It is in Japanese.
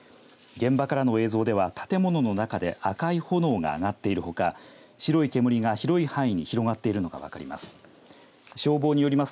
現場からの映像では、建物の中で赤い炎が上がっているほか白い煙が広い範囲に広がっているのが分かります。